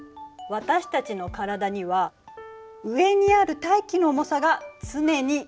私たちの体には上にある大気の重さが常にかかっているのよ。